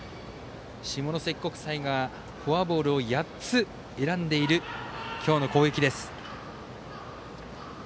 下関国際がフォアボールを８つ選んでいる今日の攻撃です。